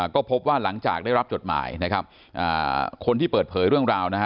ก็พบว่าหลังจากได้รับจดหมายนะครับคนที่เปิดเผยเรื่องราวนะฮะ